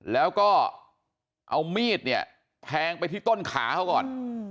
แล้วก็เอามีดเนี่ยแทงไปที่ต้นขาเขาก่อน